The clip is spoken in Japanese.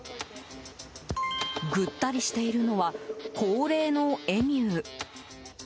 ぐったりしているのは高齢のエミュー。